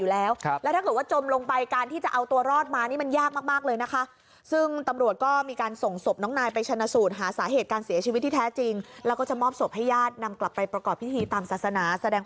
แล้วล้มลงก็คงประมาณแบบนั้น